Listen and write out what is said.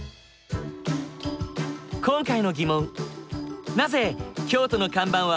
今回の疑問。